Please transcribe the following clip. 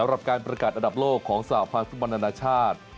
สำหรับการประกาศอันดับโลกของสหพันธ์ฟุตบอลนานาชาติ